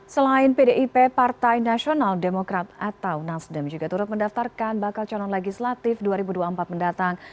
selain pdip partai nasional demokrat atau nasdem juga turut mendaftarkan bakal calon legislatif dua ribu dua puluh empat mendatang